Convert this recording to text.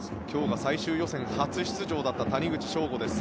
今日が最終予選初出場だった谷口彰悟